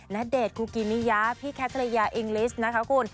ณเดชน์คุกิมิยาพี่แคทเรยาอิงลิสต์